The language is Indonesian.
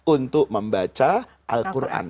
untuk membaca al quran